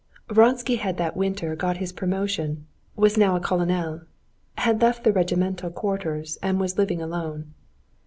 Vronsky had that winter got his promotion, was now a colonel, had left the regimental quarters, and was living alone.